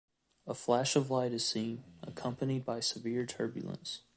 A flash of light is seen, accompanied by severe turbulence.